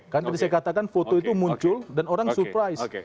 kan tadi saya katakan foto itu muncul dan orang surprise